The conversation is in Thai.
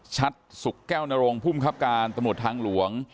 ชัดสุขแก้วนรงภูมิครับการตำรวจทางหลวง